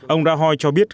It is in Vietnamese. ông rajoy cho biết